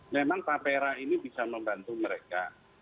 memang tapera ini bisa membantu mereka